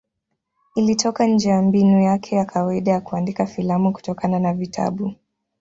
Ilitoka nje ya mbinu yake ya kawaida ya kuandika filamu kutokana na vitabu.